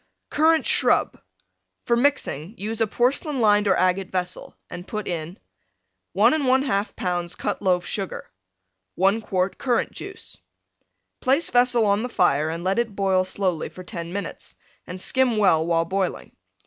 CURRANT SHRUB For mixing use a porcelain lined or agate vessel, and put in: 1 1/2 lbs. Cut Loaf Sugar. 1 quart Currant Juice Place vessel on the fire and let it boil slowly for 10 minutes, and skim well while boiling.